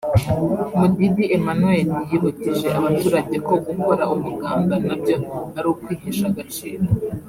Mudidi Emmanuel yibukije abaturage ko gukora umuganda na byo ari ukwihesha agaciro